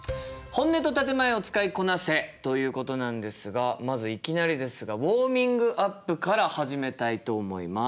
ということなんですがまずいきなりですがウォーミングアップから始めたいと思います。